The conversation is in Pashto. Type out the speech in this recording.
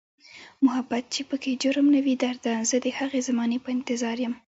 محبت چې پکې جرم نه وي درده، زه د هغې زمانې په انتظاریم